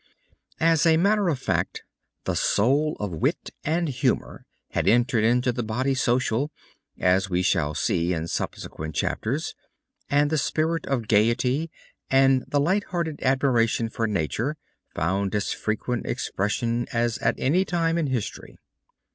As a matter of fact the soul of wit and humor had entered into the body social, as we shall see in subsequent chapters, and the spirit of gaiety and the light hearted admiration for nature found as frequent expression as at any time in history.